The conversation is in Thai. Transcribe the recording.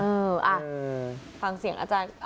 เออฟังเสียงอาจารย์